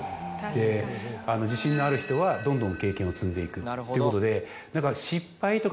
で自信のある人はどんどん経験を積んでいくっていうことで。